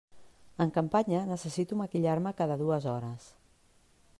En campanya necessito maquillar-me cada dues hores.